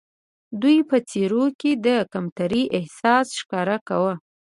دوی په څېرو کې د کمترۍ احساس ښکاره کاوه.